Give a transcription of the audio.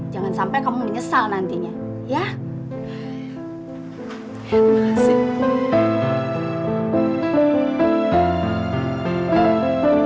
jangan sampai kamu menyesal nantinya ya